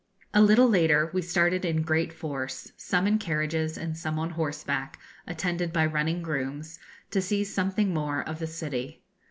A little later we started in great force, some in carriages and some on horseback, attended by running grooms, to see something more of the city.